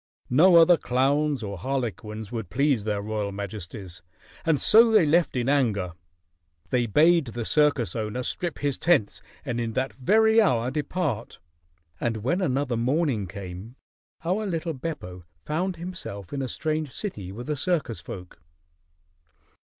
No other clowns or harlequins would please their royal majesties, and so they left in anger. They bade the circus owner strip his tents and in that very hour depart, and when another morning came, our little Beppo found himself in a strange city with the circus folk.